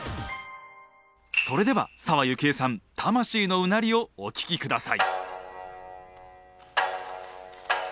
それでは澤雪絵さん魂のうなりをお聞きください。